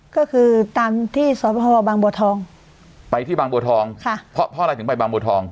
ก็คือตามที่สพบางบัวทองไปที่บางบัวทองค่ะเพราะอะไรถึงไปบางบัวทอง